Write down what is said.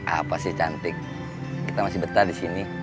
apa sih cantik kita masih betah di sini